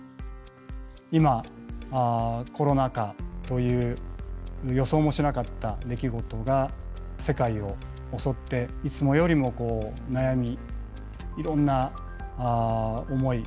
今コロナ禍という予想もしなかった出来事が世界を襲っていつもよりもこう悩みいろんな思い